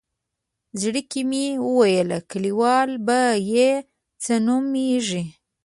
زړه کې مې ویل کلیوال به یې څه نوم کېږدي.